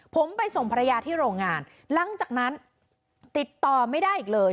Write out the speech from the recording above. ผมไปส่งภรรยาที่โรงงานหลังจากนั้นติดต่อไม่ได้อีกเลย